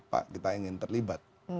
pak kita ingin terlibat